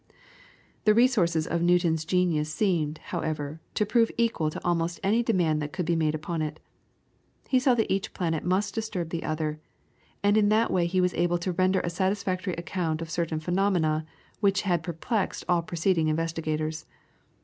The resources of Newton's genius seemed, however, to prove equal to almost any demand that could be made upon it. He saw that each planet must disturb the other, and in that way he was able to render a satisfactory account of certain phenomena which had perplexed all preceding investigators.